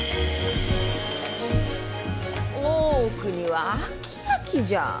大奥には飽き飽きじゃあ。